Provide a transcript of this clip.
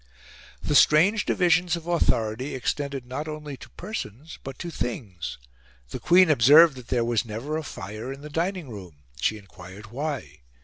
The strange divisions of authority extended not only to persons but to things. The Queen observed that there was never a fire in the dining room. She enquired why.